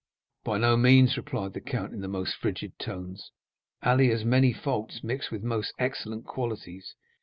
"By no means," replied the count in the most frigid tones; "Ali has many faults mixed with most excellent qualities.